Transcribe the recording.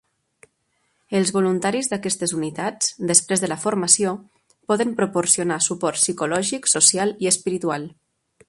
Els voluntaris d'aquestes unitats, després de la formació, poden proporcionar suport psicològic, social i espiritual.